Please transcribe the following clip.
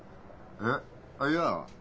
えっ？いや。